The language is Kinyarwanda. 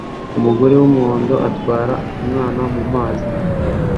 Umugore wumuhondo atwara umwana mumazi